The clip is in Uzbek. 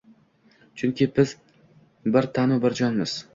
Chunki biz bir tanu bir jonmiz.